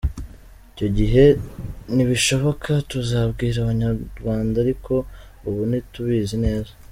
Icyo gihe nibishoboka tuzabwira abanyarwanda ariko ubu ntitubizi neza .